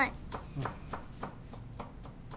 うん。